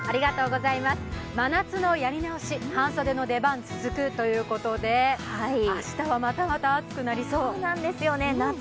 真夏のやり直し、半袖の出番、続くということで明日は、またまた暑くなりそう。